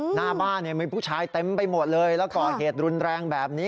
หน้าบ้านมีผู้ชายเต็มไปหมดเลยแล้วก่อเหตุรุนแรงแบบนี้